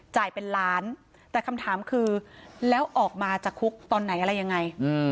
เป็นล้านแต่คำถามคือแล้วออกมาจากคุกตอนไหนอะไรยังไง